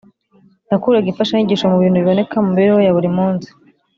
yakuraga imfashanyigisho mu bintu biboneka mu mibereho ya buri munsi